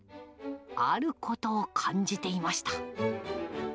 あることを感じていました。